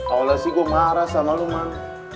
awalnya sih gua marah sama lu man